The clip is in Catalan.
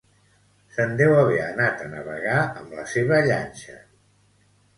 Se'n deu haver anat a navegar amb la seva llanxa